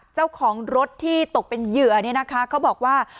เจ้าของรถที่ตกเป็นเหยื่อเนี่ยนะคะเขาบอกว่า